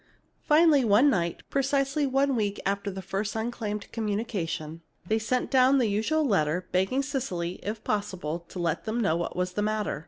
Finally, one night, precisely one week after the first unclaimed communication, they sent down the usual letter, begging Cecily, if possible, to let them know what was the matter.